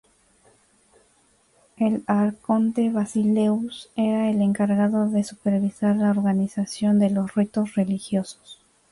El arconte basileus era el encargado de supervisar la organización de los ritos religiosos.